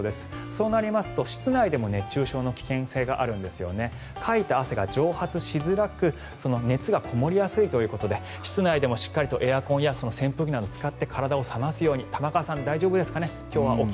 そうなりますと室内でも熱中症の危険性があるんですよねかいた汗が蒸発しづらく熱がこもりやすいということで室内でもしっかりとエアコンや扇風機などを使って体を冷ますように玉川さん大丈夫ですかね